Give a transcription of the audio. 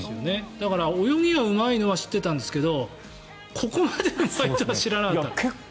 だから、泳ぎがうまいのは知っていたんですけどここまでうまいのは知らなった。